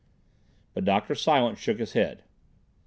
But Dr. Silence shook his head.